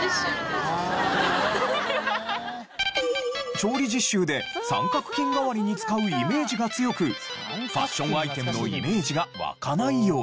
調理実習で三角巾代わりに使うイメージが強くファッションアイテムのイメージが湧かないようです。